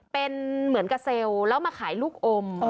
เป็นเหมือนกับเซลล์แล้วมาขายลูกอม